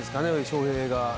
翔平が。